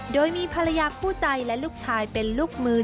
โดยมีภรรยาคู่ใจและลูกชายเป็นลูกมือ